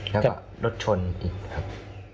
แล้วก็รถชนอีกครับ